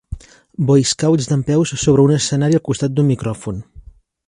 Boy Scouts dempeus sobre un escenari al costat d'un micròfon.